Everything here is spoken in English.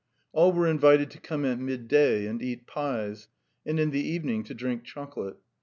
All were invited to come at midday and eat pies, and in the evening to drink chocolate.